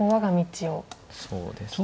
そうですね。